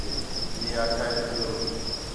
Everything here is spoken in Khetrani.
مئے آکھا ہِے تُو ڄُل